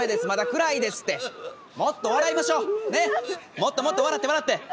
もっともっと笑って笑って！